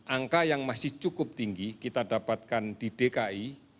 angka yang masih cukup tinggi kita dapatkan di dki